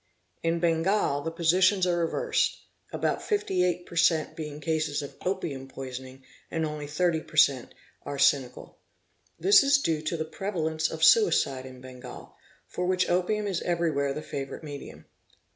In Bengal the positions are ;{\ reversed, about 58 per cent. being cases of opium poisoning and only 30 per cent. arsenical. This is due to the prevalence of suicide in Bengal, for which opium is everywhere the favourite medium.